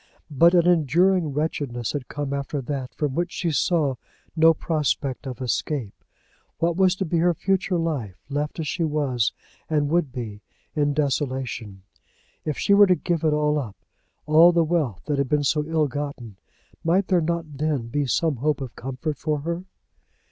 But an enduring wretchedness had come after that from which she saw no prospect of escape. What was to be her future life, left as she was and would be, in desolation? If she were to give it all up, all the wealth that had been so ill gotten, might there not then be some hope of comfort for her?